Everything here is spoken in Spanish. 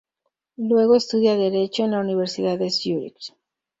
Luego estudia Derecho en la Universidad de Zúrich.